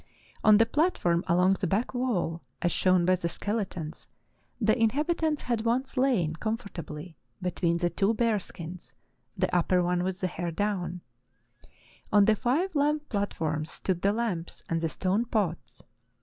"On the platform along the back wall, as shown by the skeletons, the inhabitants had once lain com fortably between the two bear skins, the upper one The Inuit Survivors of the Stone Age 343 with the hair down. On the five lamp platforms stood the lamps and the stone pots.